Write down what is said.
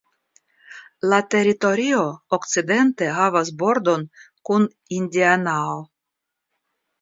La teritorio okcidente havas bordon kun Indianao.